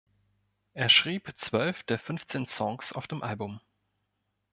Er schrieb zwölf der fünfzehn Songs auf dem Album.